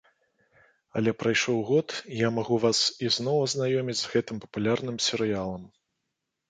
Але прайшоў год, і я магу вас ізноў азнаёміць з гэтым папулярным серыялам.